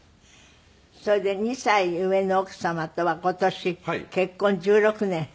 それで２歳上の奥様とは今年結婚１６年。